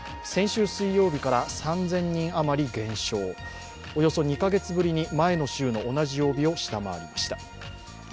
先週水曜日から３０００人余り減少、およそ２カ月ぶりに前の週の同じ曜日を下回りました。